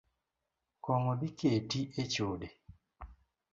Kong’o dhi keti echode